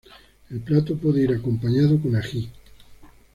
El plato puede ir acompañado con ají.